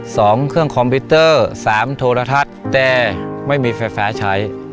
สองเครื่องคอมพิวเตอร์สามโทรทัศน์แต่ไม่มีไฟฟ้าใช้